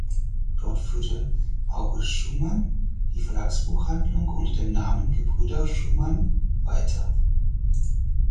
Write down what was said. Dort führte August Schumann die Verlagsbuchhandlung unter dem Namen „Gebrüder Schumann“ weiter.